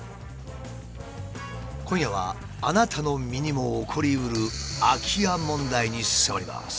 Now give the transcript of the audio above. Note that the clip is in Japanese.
今夜はあなたの身にも起こりうる空き家問題に迫ります。